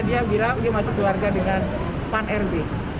dia bilang dia masih keluarga dengan pan r b